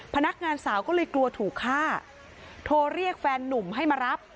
พนักงานสาวก็เลยกลัวถูกฆ่าโทรเรียกแฟนนุ่มให้มารับ